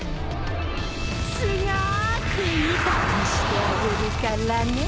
すごく痛くしてあげるからね。